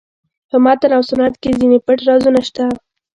په متن او سنت کې ځینې پټ رازونه شته.